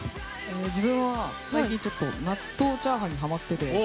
自分は最近、納豆チャーハンにハマってて。